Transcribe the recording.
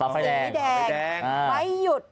สีแดงไม่หยุด